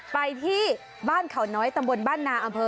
ไปที่บ้านเขาน้อยตำบลบ้านนาอำเภอ